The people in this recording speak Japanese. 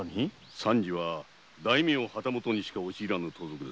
三次は大名旗本にしか入らぬ盗賊。